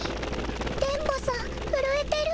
電ボさんふるえてる。